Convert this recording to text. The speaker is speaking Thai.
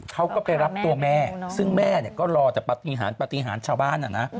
เขาก็ไปรับตัวแม่ซึ่งแม่ก็รอแต่ปฏิหารชาวบ้าน